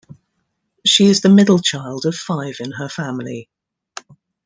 She is the middle child of five in her family.